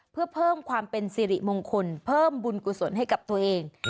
เพื่อเพิ่มความเป็นสิริมงคลเพิ่มบุญกุศลให้กับตัวเอง